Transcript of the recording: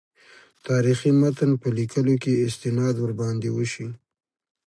تاریخي متن په لیکلو کې استناد ورباندې وشي.